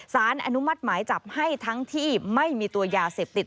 สารอนุมัติหมายจับให้ทั้งที่ไม่มีตัวยาเสพติด